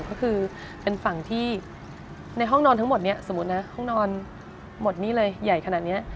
ก็คือเป็นฝั่งที่ในห้องนอนทั้งหมดนี้สมมุตินะห้องนอนหมดนี้เลยใหญ่ขนาดนี้